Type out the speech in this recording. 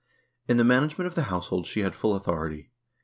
In the management of the household she had full authority.